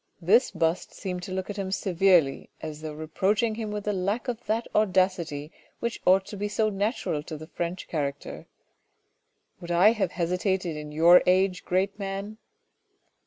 This bust seemed to look at him severely as though reproach ing him with the lack of that audacity which ought to be so natural to the French character. " Would I have hesitated in your age great man